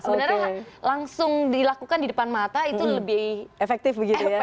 sebenarnya langsung dilakukan di depan mata itu lebih efektif